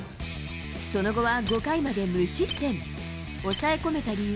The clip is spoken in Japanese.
その後は５回まで無失点。